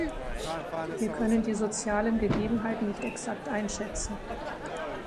Wir können die sozialen Gegebenheiten nicht exakt einschätzen.